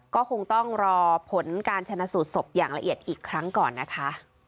ก็คงต้องรอผลการชนะสูตรศพอย่างละเอียดอีกครั้งก่อนนะคะ